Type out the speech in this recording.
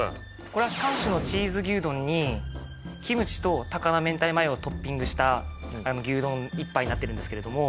これは３種のチーズ牛丼にキムチと高菜明太マヨをトッピングした牛丼一杯になっているんですけれども。